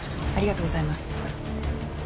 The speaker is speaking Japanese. ありがとうございます。